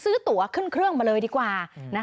ตัวขึ้นเครื่องมาเลยดีกว่า